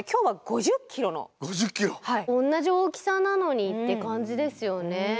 同じ大きさなのにって感じですよね。